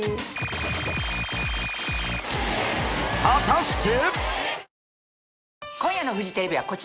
［果たして］